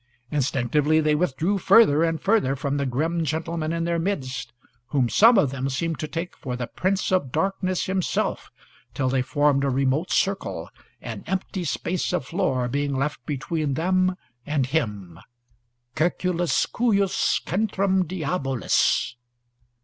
Instinctively they withdrew farther and farther from the grim gentleman in their midst, whom some of them seemed to take for the prince of darkness himself, till they formed a remote circle, an empty space of floor being left between them and him "Circulus, cujus centrum diabolus."